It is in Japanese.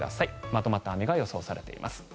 まとまった雨が予想されています。